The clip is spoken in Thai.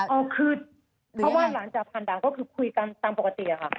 เอาคือเพราะว่าหลังจากผ่านด่านก็คือคุยกันตามปกติอะค่ะ